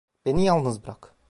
Beni yalnız bırak.